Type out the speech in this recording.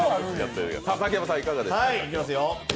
いきますよ。